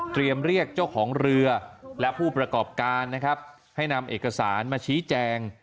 เรียกเจ้าของเรือและผู้ประกอบการนะครับให้นำเอกสารมาชี้แจง